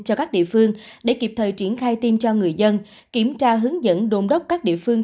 cho các địa phương để kịp thời triển khai tiêm cho người dân kiểm tra hướng dẫn đồn đốc các địa phương